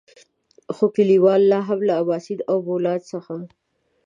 خو کليوالو لاهم له اباسين او بولان څخه.